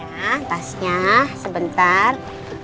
ya tasnya sebentar